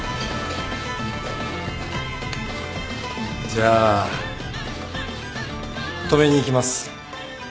じゃあ止めに行きます。